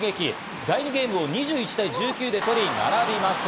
第２ゲームを２１対１９で取り、並びます。